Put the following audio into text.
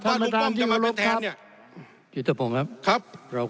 ท่านประธานที่ขอรับครับ